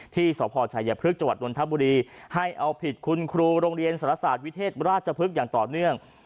ที่สพชัยพฤกษจังหวัดนทบุรีให้เอาผิดคุณครูโรงเรียนสารศาสตร์วิเทศราชพฤกษ์อย่างต่อเนื่อง